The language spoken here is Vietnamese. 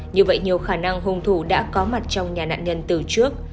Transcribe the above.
như vậy nhiều khả năng hùng thủ đã có mặt trong nhà nạn nhân từ trước